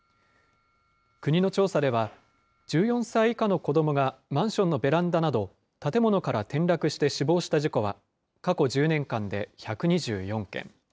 国の調査では、１４歳以下の子どもがマンションのベランダなど、建物から転落して死亡した事故は、過去１０年間で１２４件。